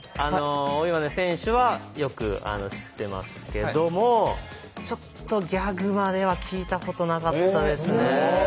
大岩根選手はよく知ってますけどもちょっとギャグまでは聞いたことなかったですね。